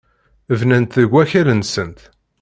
Bnant deg wakal-nsent.